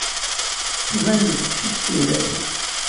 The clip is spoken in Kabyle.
Tban-d teqcict sdat-i.